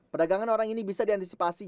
perdagangan orang ini bisa diantisipasi